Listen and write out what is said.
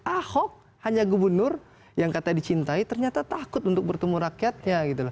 ahok hanya gubernur yang katanya dicintai ternyata takut untuk bertemu rakyatnya